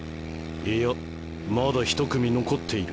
いやまだひと組残っている。